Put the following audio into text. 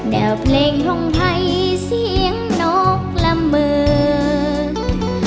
เพลงห้องไทยเสียงนกละเมิด